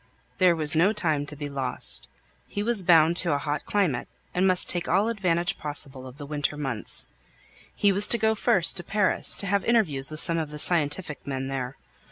There was no time to be lost. He was bound to a hot climate, and must take all advantage possible of the winter months. He was to go first to Paris, to have interviews with some of the scientific men there.